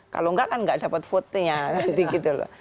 kalau enggak kan nggak dapat fotonya nanti gitu loh